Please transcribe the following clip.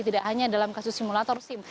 tidak hanya dalam kasus simulator sim